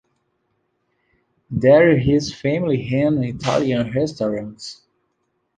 There his family ran Italian restaurants.